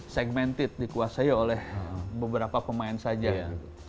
segmented dikuasai oleh beberapa pemain saja gitu